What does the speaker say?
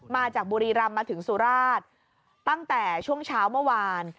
มาจากบุรีรำมาถึงสุราชตั้งแต่ช่วงเช้าเมื่อวาน